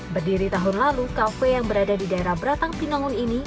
berdiri tahun lalu kafe yang berada di daerah beratang pinangun ini